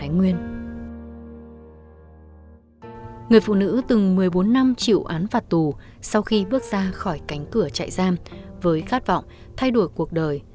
người phụ nữ từng một mươi bốn năm chịu án phạt tù sau khi bước ra khỏi cánh cửa trại giam với khát vọng thay đổi cuộc đời